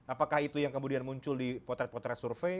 apakah itu yang kemudian muncul di potret potret survei